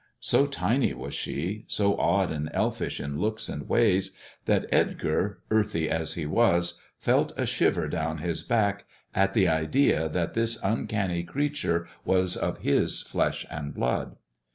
So tiny was she, so odd and elfish in looks and ways, that Edgar, earthy as he was, felt a shiver down his back at the idea thsCt this uncanny creature was of his flesh and blood.